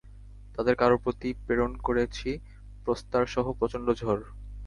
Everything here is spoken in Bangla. তাদের কারো প্রতি প্রেরণ করেছি প্রস্তরসহ প্রচণ্ড ঝড়।